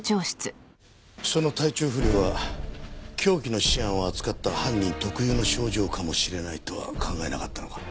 その体調不良は凶器のシアンを扱った犯人特有の症状かもしれないとは考えなかったのか？